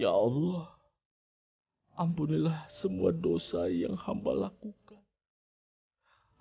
ya allah ampunilah semua dosa yang hamba lakukan